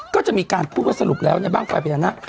ก็จะมีการพูดว่าสรุปแล้วบ้างไฟพญานาค